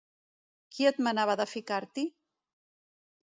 Qui et manava de ficar-t'hi?